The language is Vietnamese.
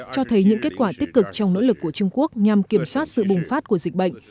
cho thấy những kết quả tích cực trong nỗ lực của trung quốc nhằm kiểm soát sự bùng phát của dịch bệnh